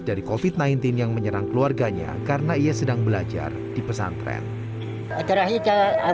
dari kofit naintin yang menyerang keluarganya karena ia sedang belajar di pesantren terakhir